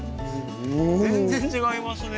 全然違いますね。